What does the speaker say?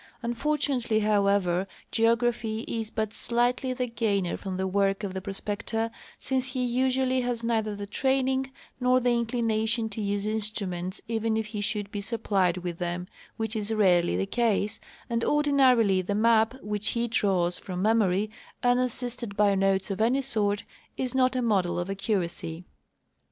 Unfortunately, however, geography is but slightly the gainer from the work of the prospector, since he usually has neither the training nor the inclination to use instruments even if he should be supplied with them, which is rarely the case, and ordinarily the maj) which he draws from memory, unassisted by notes of any sort, is not a model of accuracy.